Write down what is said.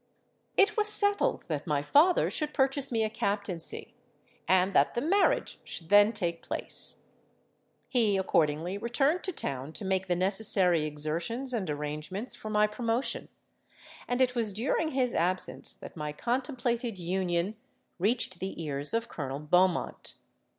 "It was settled that my father should purchase me a captaincy, and that the marriage should then take place. He accordingly returned to town to make the necessary exertions and arrangements for my promotion; and it was during his absence that my contemplated union reached the ears of Colonel Beaumont.